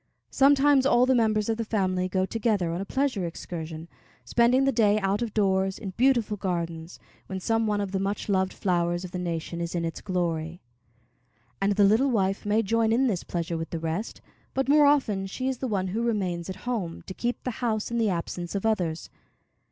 Sometimes all the members of the family go together on a pleasure excursion, spending the day out of doors, in beautiful gardens, when some one of the much loved flowers of the nation is in its glory; and the little wife may join in this pleasure with the rest, but more often she is the one who remains at home to keep the house in the absence of others.